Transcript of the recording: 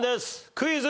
クイズ。